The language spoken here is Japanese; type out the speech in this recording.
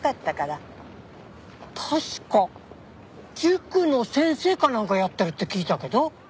確か塾の先生かなんかやってるって聞いたけど。